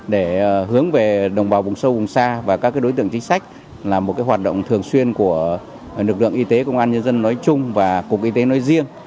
để hướng về đồng bào vùng sâu vùng xa và các đối tượng chính sách là một hoạt động thường xuyên của lực lượng y tế công an nhân dân nói chung và cục y tế nói riêng